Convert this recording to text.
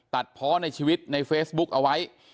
ตัดพ้อในชีวิตในเฟซบุ๊คเอาไว้